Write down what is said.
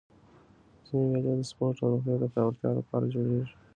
ځيني مېلې د سپورټ او روغتیا د پیاوړتیا له پاره جوړېږي.